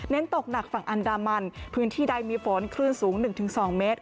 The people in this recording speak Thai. เน้นตกหนักฝั่งอันดามันพื้นที่ใดมีฝนคลื่นสูงหนึ่งถึงสองเมตร